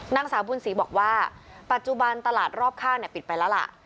นางสาวบุญศรีบอกว่าปัจจุบันตลาดรอบข้างปิดไปแล้วล่ะ